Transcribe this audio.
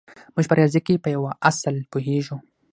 موږ په ریاضي کې په یوه اصل پوهېږو